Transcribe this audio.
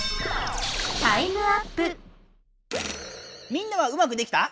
みんなはうまくできた？